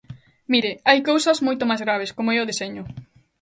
Mire, hai cousas moito máis graves, como é o deseño.